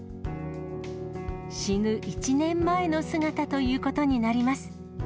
死ぬ１年前の姿ということになります。